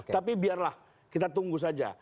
tapi biarlah kita tunggu saja